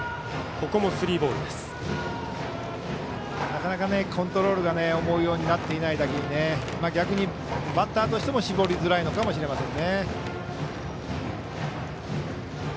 なかなかコントロールが思うようになっていないだけに逆にバッターとしても絞りづらいのかもしれません。